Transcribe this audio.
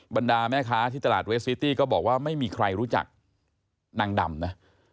บรรดาแม่ค้าที่ตลาดเวสซิตี้ก็บอกว่าไม่มีใครรู้จักนางดำนะ